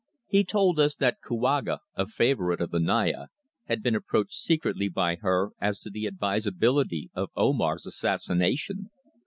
He told us that Kouaga, a favourite of the Naya, had been approached secretly by her as to the advisability of Omar's assassination.